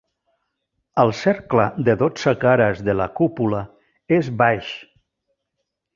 El cercle de dotze cares de la cúpula és baix.